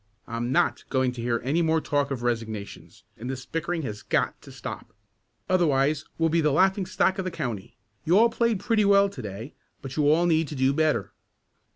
I'm not going to hear any more talk of resignations, and this bickering has got to stop. Otherwise we'll be the laughing stock of the county. You all played pretty well to day, but you all need to do better."